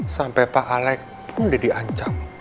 sampai pak alec pun deddy ancam